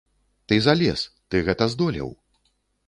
Ты залез, ты гэта здолеў.